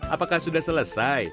apakah sudah selesai